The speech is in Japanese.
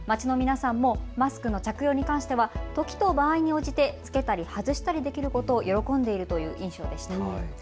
街の皆さんもマスクの着用に関しては時と場合に応じて着けたり外したりできることを喜んでいるという印象でした。